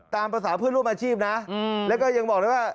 ตามภาษาเพื่อนร่วมอาชีพนะแล้วก็ยังบอกเลยว่า